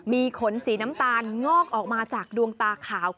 มีขนสีน้ำตาลงอกออกมาจากดวงตาขาว